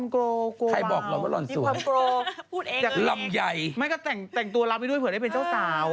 เขาปวดศีรษะหรือว่า